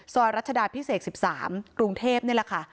รัชดาพิเศษ๑๓กรุงเทพนี่แหละค่ะ